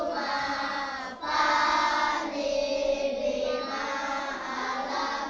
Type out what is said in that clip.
semua sersa kita jumpa